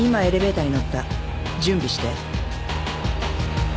準備して。